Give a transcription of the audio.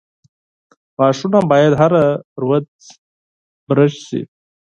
• غاښونه باید هره ورځ برس شي.